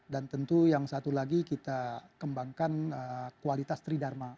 dan tentu yang satu lagi kita kembangkan kualitas tridharma